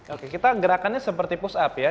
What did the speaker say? oke kita gerakannya seperti push up ya